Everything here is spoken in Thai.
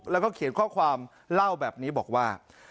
แล้วก็เขียนข้อความเล่าแบบนี้บอกว่า